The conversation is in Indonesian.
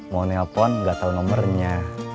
mau nelpon gak tau nomornya